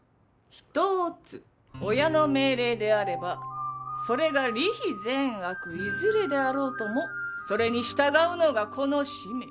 一つ親の命令であればそれが理非善悪いずれであろうともそれに従うのが子の使命。